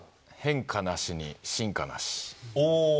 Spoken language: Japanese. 変化無しに進化無し。